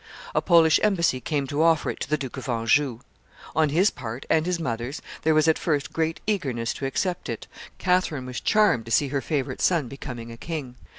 A Polish embassy came to offer it to the Duke of Anjou. On his part and his mother's, there was at first great eagerness to accept it; Catherine was charmed to see her favorite son becoming a king.